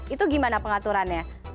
itu gimana pengaturannya